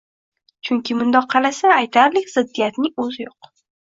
Chunki mundoq qarasa, aytarlik ziddiyatning o‘zi yo‘q.